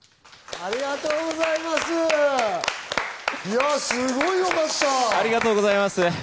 ありがとうございます。